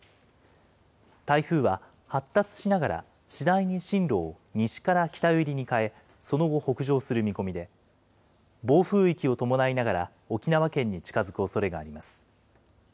台風は発達しながら、次第に進路を西から北寄りに変え、その後、北上する見込みで、暴風域を伴いながら、沖縄県に近づくおそれがあります。